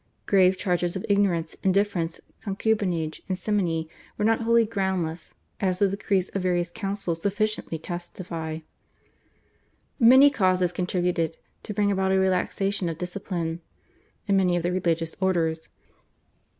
Grave charges of ignorance, indifference, concubinage, and simony were not wholly groundless, as the decrees of various councils sufficiently testify. Many causes contributed to bring about a relaxation of discipline in many of the religious orders.